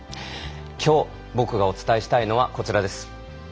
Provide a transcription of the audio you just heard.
きょう僕がお伝えしたいのはこちらです。